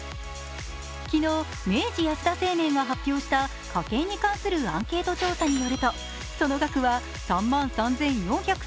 昨日、明治安田生命が発表した家計に関するアンケート調査によるとその額は３万３４３５円。